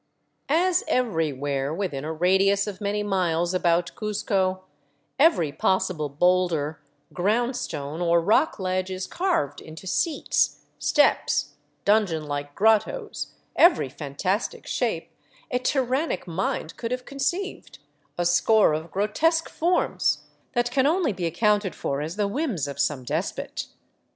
As everywhere within a radius of many miles about Cuzco, every possible boulder, ground stone, or rock ledge is carved into seats, steps, dungeon like grottoes, every fantastic shape a tyrannic mind could have conceived, a score of grotesque forms that can only be accounted for as the whims of some despot.